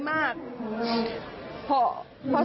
ไม่ได้มาก